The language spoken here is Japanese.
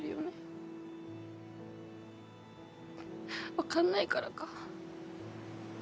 分かんないからか。